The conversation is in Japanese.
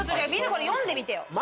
みんなこれ読んでみてよ。